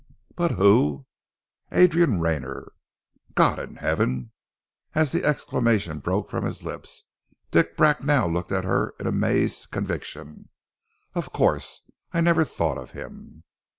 "But who " "Adrian Rayner!" "God in heaven!" as the exclamation broke from his lips Dick Bracknell looked at her in amazed conviction. "Of course, I never thought of him!"